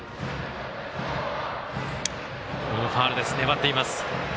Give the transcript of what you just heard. ファウルです、粘っています。